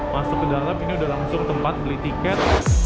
masuk ke dalam ini udah langsung tempat beli tiket